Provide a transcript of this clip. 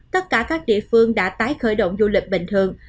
tất cả các địa phương đã tái khởi động du lịch bình thường